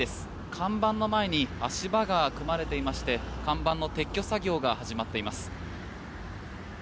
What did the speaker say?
看板の前に足場が組まれていまして看板の撤去作業が始まっています。